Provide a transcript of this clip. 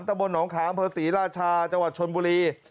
ตะบนหงคาอังเภอศรีราชาจังหวัดชนบุรี